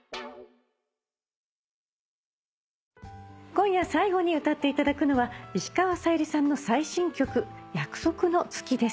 今夜最後に歌っていただくのは石川さゆりさんの最新曲『約束の月』です。